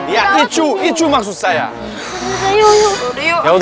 ya itu itu maksud saya